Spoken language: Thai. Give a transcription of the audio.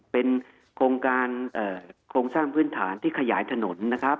เป็นโครงการโครงสร้างพื้นฐานที่ขยายถนนนะครับ